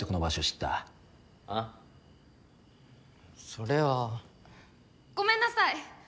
それは。ごめんなさい！